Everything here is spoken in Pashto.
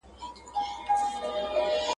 يو له بله يې وهلي وه جگړه وه !.